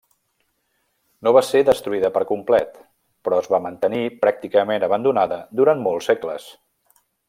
No va ser destruïda per complet, però es va mantenir pràcticament abandonada durant molts segles.